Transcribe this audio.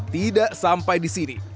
tidak sampai di sini